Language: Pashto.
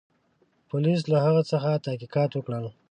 پولیسو له هغه څخه تحقیقات وکړل.